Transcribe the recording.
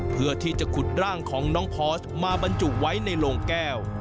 เพื่อที่จะขุดร่างของน้องพอสมาบรรจุไว้ในโลงแก้ว